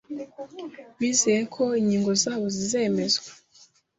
bizeye ko inkingo zabo zizemezwa